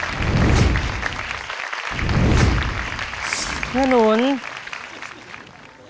น้องป๋องเลือกเรื่องระยะทางให้พี่เอื้อหนุนขึ้นมาต่อชีวิตเป็นคนต่อไป